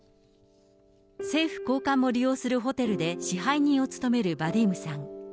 政府高官も利用するホテルで支配人を務めるバディームさん。